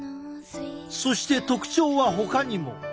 そして特徴はほかにも。